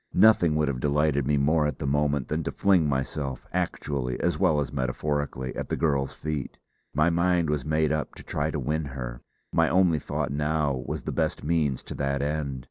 Nothing would have delighted me more at the moment than to fling myself, actually as well as metaphorically, at the girl's feet. My mind was made up to try to win her; my only thought now was the best means to that end.